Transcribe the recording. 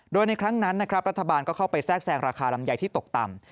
โดยในครั้งนั้นนะครับรัฐบาลก็เข้าไปแทรกแซงราคาลำไยที่ตกต่ำ